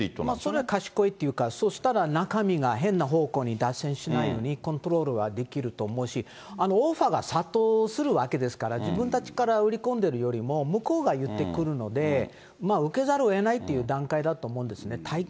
それは賢いっていうか、そうしたら中身が変な方向に脱線しないように、コントロールはできると思うし、オファーが殺到するわけですから、自分たちから売り込んでるよりも、向こうが言ってくるので、受けざるをえないという段階だと思うんですね。